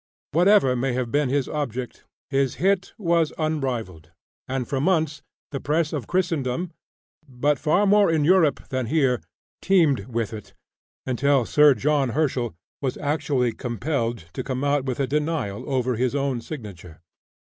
Whatever may have been his object, his hit was unrivaled; and for months the press of Christendom, but far more in Europe than here, teemed with it, until Sir John Herschel was actually compelled to come out with a denial over his own signature.